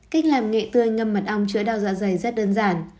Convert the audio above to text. cách làm nghệ tươi ngâm mặt ong chữa đau dạ dày rất đơn giản